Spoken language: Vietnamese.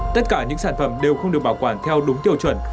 tất cả những sản phẩm đều không được bảo quản theo đúng tiêu chuẩn